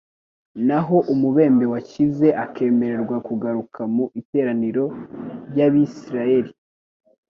Naho umubembe wakize akemererwa kugaruka mu iteraniro ry"abisiraeli